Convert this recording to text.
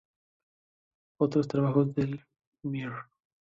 Otros trabajos de Mr.